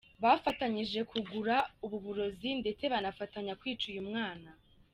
Bafatanyije kugura ubu burozi ndetse banafatanya kwica uyu mwana.